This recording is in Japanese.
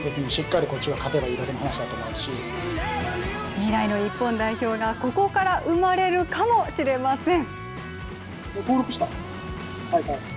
未来の日本代表がここから生まれるかもしれません。